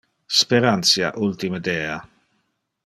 Sperantia ultime dea.